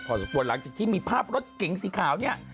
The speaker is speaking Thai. พอสักปวดหลังจากที่มีภาพรถกิ๋งสีขาวนี่